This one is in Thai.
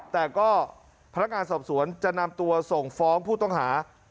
แต่ก็พนักงานสอบสวนจะนำตัวส่งฟ้องผู้ต้องหา